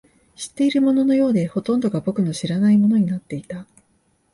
知っているもののようで、ほとんどが僕の知らないものになっていた